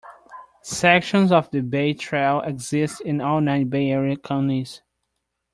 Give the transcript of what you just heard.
Sections of the Bay Trail exist in all nine Bay Area counties.